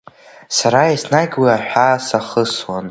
Сара еснагь уи аҳәаа сахысуан.